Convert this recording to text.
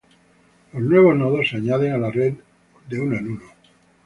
Los nuevos nodos se añaden a la red de uno a uno.